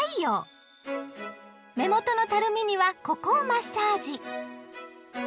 目元のたるみにはここをマッサージ。